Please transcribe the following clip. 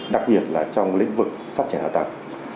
đặc biệt là trong lĩnh vực phát triển hợp tác